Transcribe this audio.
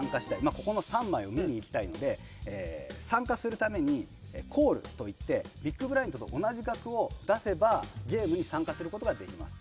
ここの３枚を見に行きたいので参加するためにコールと言ってビッグブラインドと同じ額を出せばゲームに参加することができます。